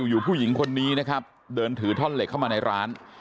อยู่ผู้หญิงคนนี้นะครับเดินถือท่อนเหล็กเข้ามาในร้าน